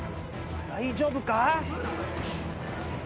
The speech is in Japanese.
大丈夫か？